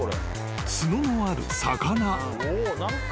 ［角のある魚］